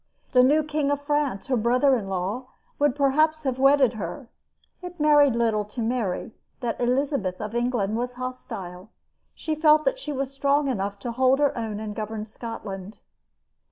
The new King of France, her brother in law, would perhaps have wedded her. It mattered little to Mary that Elizabeth of England was hostile. She felt that she was strong enough to hold her own and govern Scotland.